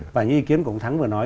và như ý kiến của ông thắng vừa nói